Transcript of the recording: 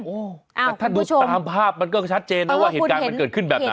แต่ถ้าดูตามภาพมันก็ชัดเจนนะว่าเหตุการณ์มันเกิดขึ้นแบบไหน